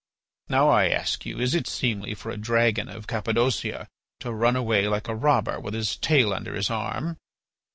Now I ask you, is it seemly for a dragon of Cappadocia to run away like a robber with his tail under his arm?